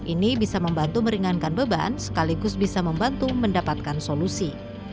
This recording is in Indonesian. ini bisa membantu meringankan beban sekaligus bisa membantu mendapatkan solusi